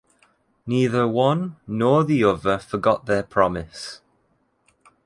Neither one, nor the other forgot their promise.